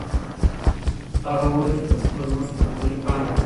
هغه وویل چې پښتو زموږ کلتوري پانګه ده.